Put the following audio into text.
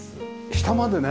下までね